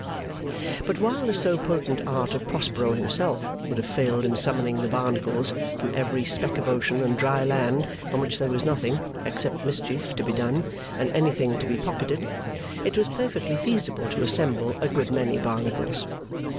But, while the so potent art of Prospero himself would have failed in summoning the Barnacles from every speck of ocean and dry land on which there was nothing (except mischief) to be done and anything to be pocketed, it was perfectly feasible to assemble a good many Barnacles.